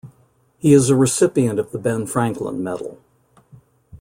He is a recipient of the Ben Franklin Medal.